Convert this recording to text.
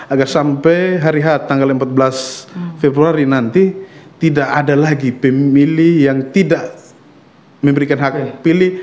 agar sampai hari hat tanggal empat belas februari nanti tidak ada lagi pemilih yang tidak memberikan hak pilih